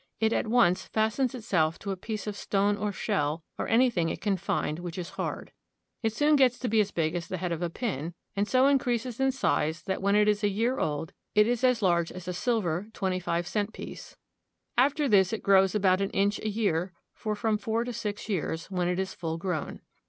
It at once fastens itself to a piece of stone or shell or anything it can find which is hard. It soon gets to be as big as the head 48 BALTIMORE. of a pin, and so increases in size that when it is a year old it is as large as a silver twenty five cent piece. After this it grows about an inch a year for from four to six years, when it is full grown.